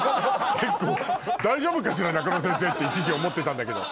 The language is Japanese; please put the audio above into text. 大丈夫かしら中野先生って一時思ってたんだけど。